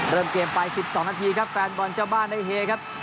เริ่มเกมไป๑๒นาทีครับแฟนบอลเจ้าบ้านได้เฮครับ